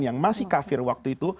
yang masih kafir waktu itu